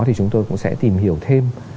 thì chúng tôi cũng sẽ tìm hiểu thêm